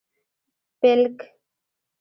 🦃 پېلک